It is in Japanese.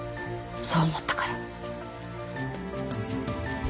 そう思ったから。